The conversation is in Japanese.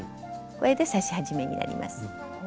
これで刺し始めになります。